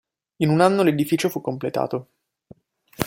In un anno l'edificio fu completato.